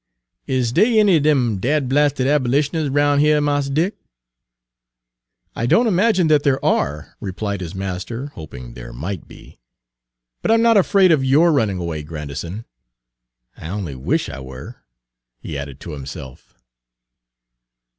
"Is dey any er dem dadblasted abolitioners roun' heah, Mars Dick?" "I don't imagine that there are," replied his master, hoping there might be. "But I 'm not afraid of yourrunning away, Grandison. I only wish I were," he added to himself.